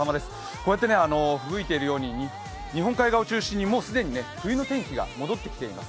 こうやってふぶいているように日本海側中心にもう既に冬の天気が戻ってきています。